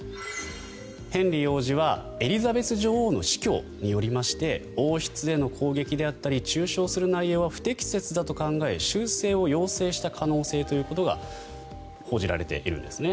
ヘンリー王子はエリザベス女王の死去によりまして王室への攻撃であったり中傷する内容は不適切だと考え、修正を要請した可能性ということが報じられているんですね。